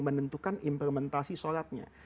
menentukan implementasi sholatnya